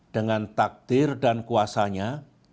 dengan takdir dan kuasanya